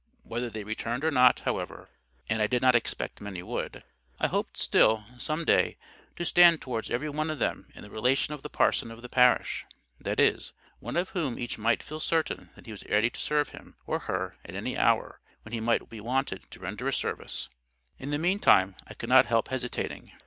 Whether they returned or not, however, (and I did not expect many would,) I hoped still, some day, to stand towards every one of them in the relation of the parson of the parish, that is, one of whom each might feel certain that he was ready to serve him or her at any hour when he might be wanted to render a service. In the meantime, I could not help hesitating.